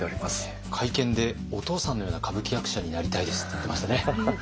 会見で「お父さんのような歌舞伎役者になりたいです」って言ってましたね。